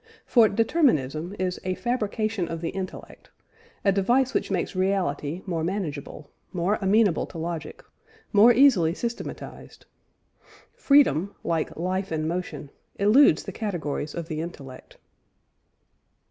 For determinism is "a fabrication of the intellect," a device which makes reality more manageable, more amenable to logic, more easily systematised. Freedom, like life and motion, eludes the categories of the intellect.